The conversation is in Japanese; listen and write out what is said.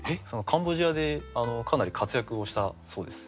カンボジアでかなり活躍をしたそうです。